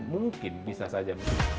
mungkin bisa saja